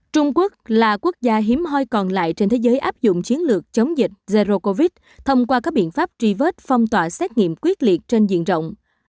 trung quốc là quốc gia hiếm hoi còn lại trên thế giới áp dụng chiến lược chống dịch zero covid thông qua các biện pháp truy vết phong tỏa xét nghiệm quyết liệt trên diện rộng